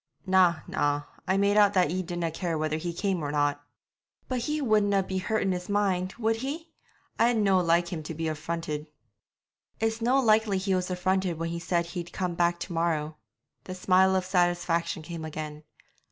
'Na, na, I made out that ye didna care whether he came or not.' 'But he wouldna be hurt in his mind, would he? I'd no like him to be affronted.' 'It's no likely he was affronted when he said he'd come back to morrow.' The smile of satisfaction came again.